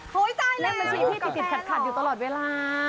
โฮยใช่แน่แล้วมันชิ้นพี่ติดขัดอยู่ตลอดเวลา